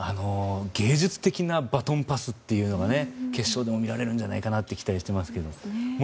芸術的なバトンパスが決勝でも見られるんじゃないかなと期待してますけど。